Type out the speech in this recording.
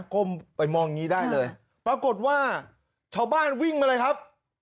ก้มไปมองอย่างนี้ได้เลยปรากฏว่าชาวบ้านวิ่งมาเลยครับ